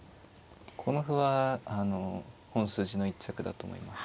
この歩はあの本筋の一着だと思います。